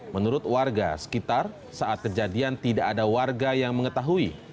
menurut warga sekitar saat kejadian tidak ada warga yang mengetahui